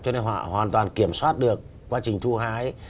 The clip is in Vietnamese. cho nên họ hoàn toàn kiểm soát được quá trình thu hái